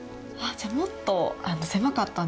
じゃあもっと狭かったんですね。